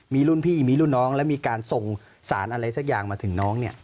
มีรุ่นพี่มีรุ่นน้องแล้วมีการส่งสารอะไรสักอย่างมาถึงน้องเนี่ย